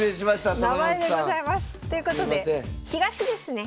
名前でございます。ということで東ですね。